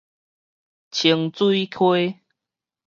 清水溪